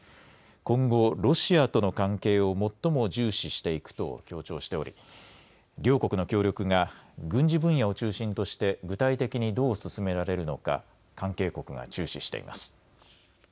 今後、ロシアとの関係を最も重視していくと強調しており両国の協力が軍事分野を中心として具体的にどう進められるのか関係国が注視しています。